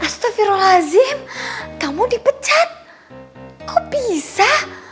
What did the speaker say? astagfirullahaladzim kamu dipecat kok bisa